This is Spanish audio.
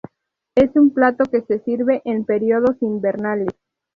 Es un plato que se sirve en periodos invernales.